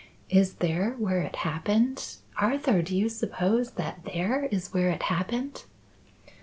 "Is there where it happened? Arthur, do you suppose that there is where it happened?"